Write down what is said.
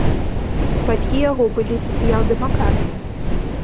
Бацькі яго былі сацыял-дэмакратамі.